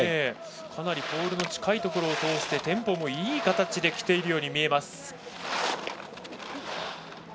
かなりポールの近いところを通してテンポもいい形で来ているように見えます。